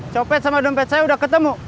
copet sama dompet saya udah ketemu